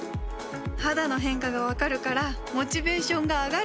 肌の変化が分かるからモチベーションが上がる！